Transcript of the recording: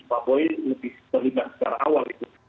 pak boy lebih terlibat secara awal itu